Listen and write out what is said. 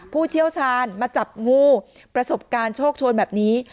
ผู้เชี่ยวชาญมาจับงูประสบการณ์โชคชวนแบบนี้